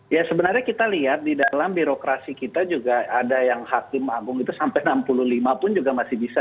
ya sebenarnya kita lihat di dalam birokrasi kita juga ada yang hakim agung itu sampai enam puluh lima pun juga masih bisa